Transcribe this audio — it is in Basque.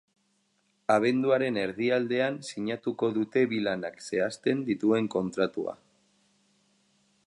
Abenduaren erdialdean sinatuko dute bi lanak zehazten dituen kontratua.